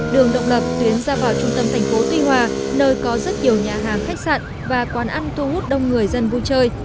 đường động lập tuyến ra vào trung tâm tp tuy hòa nơi có rất nhiều nhà hàng khách sạn và quán ăn thu hút đông người dân vui chơi